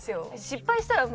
失敗したら。